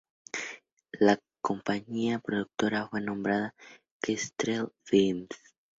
La compañía productora fue nombrada Kestrel Films.